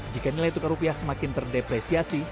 jika nilai tukar rupiah semakin terdepresiasi